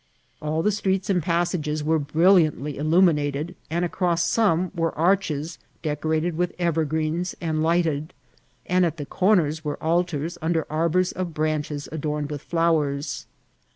All the streets and passages were brill iantly illuminated, and across some were arches decora ted with evergreens and lighted, and at the comers were altars under arbours of branches adorned with flowers.